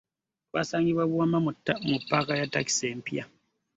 Tusangibwa Buwama mu ppaaka ya ttakisi empya.